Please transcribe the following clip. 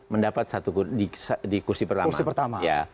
mendapat di kursi pertama